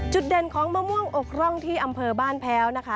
เด่นของมะม่วงอกร่องที่อำเภอบ้านแพ้วนะคะ